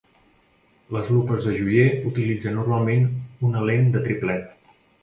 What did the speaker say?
Les lupes de joier utilitzen normalment una lent de triplet.